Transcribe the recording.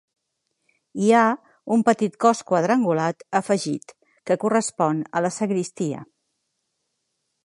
Hi ha un petit cos quadrangular afegit que correspon a la sagristia.